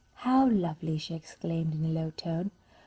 "How lovely!" she exclaimed, in a low tone.